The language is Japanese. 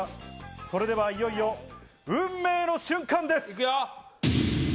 それでは、いよいよ運命の瞬間です。